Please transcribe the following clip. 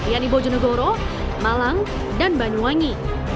yaitu bojonegoro malang dan banyuwangi